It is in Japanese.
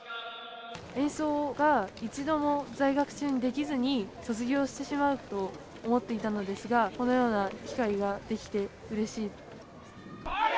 演奏が一度も在学中にできずに卒業してしまうと思っていたのですが、このような機会ができてうれしい。